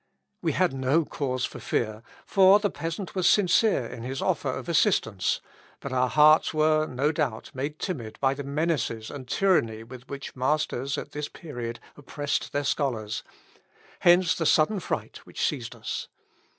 We had no cause for fear; for the peasant was sincere in his offer of assistance: but our hearts were, no doubt, made timid by the menaces and tyranny with which masters at this period oppressed their scholars; hence the sudden fright which seized us.